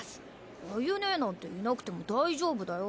アユ姉なんていなくても大丈夫だよ。